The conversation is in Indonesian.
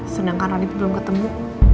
sedangkan radit belum ketemu